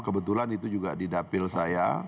kebetulan itu juga didapil saya